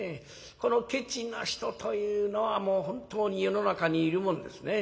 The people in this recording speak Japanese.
このケチな人というのは本当に世の中にいるもんですね。